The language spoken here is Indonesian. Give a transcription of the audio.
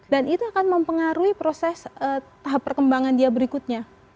dan itu akan mempengaruhi proses tahap perkembangan dia berikutnya